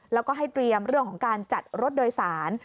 แล้วก็ให้เตรียมเรื่องของการจัดรถโดยสาร